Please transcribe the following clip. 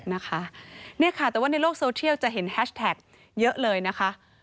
นะคะเนี่ยค่ะแต่ว่าในโลกโซเทียลจะเห็นแฮชแท็กเยอะเลยนะคะ